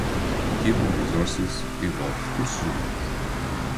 Human Resources envolve recursos humanos.